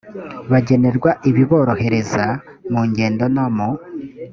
bagenerwa ibiborohereza mu ngendo no mu